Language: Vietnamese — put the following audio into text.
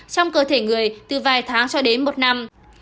trong cơ thể người từ vài tháng cho đến một năm